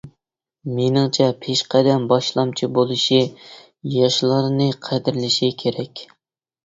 مېنىڭچە، پېشقەدەم باشلامچى بولۇشى، ياشلارنى قەدىرلىشى كېرەك.